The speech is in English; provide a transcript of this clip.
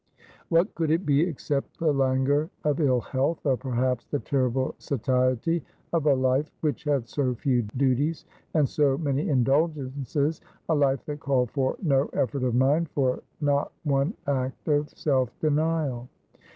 "What could it be except the languor of ill health, or, perhaps, the terrible satiety of a life which had so few duties, and so many indulgences, a life that called for no efEort of mind, for not one act of self denial?